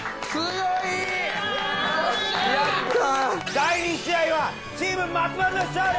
第２試合はチーム松丸の勝利！